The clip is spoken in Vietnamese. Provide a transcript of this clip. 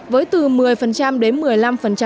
với từ một mươi đến một mươi năm dân số mắc